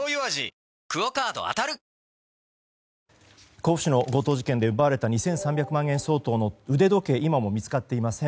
甲府市の強盗事件で奪われた２３００万円相当の腕時計今も見つかっていません。